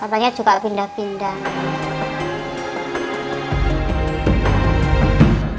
katanya juga pindah pindah